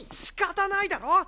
しかたないだろ！